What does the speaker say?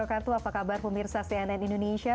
apa kabar pemirsa cnn indonesia